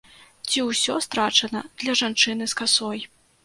Ці ўсё страчана для жанчыны з касой?